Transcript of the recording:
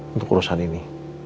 untuk urusan ini